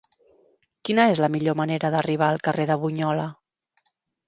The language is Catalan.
Quina és la millor manera d'arribar al carrer de Bunyola?